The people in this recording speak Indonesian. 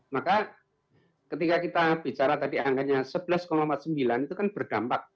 maka ketika kita bicara tadi angkanya sebelas empat puluh sembilan itu kan berdampak